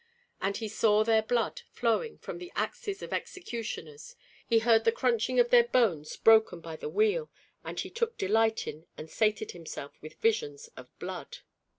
And he saw their blood flowing from the axes of executioners, he heard the crunching of their bones broken by the wheel, and he took delight in and sated himself with visions of blood.